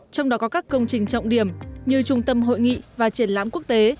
trong đó có các công trình trọng điểm như trung tâm hội nghị và triển lãm quốc tế